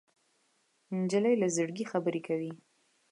نجلۍ له زړګي خبرې کوي.